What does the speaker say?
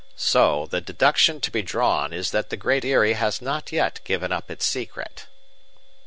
So the deduction to be drawn is that the Great Eyrie has not yet given up its secret."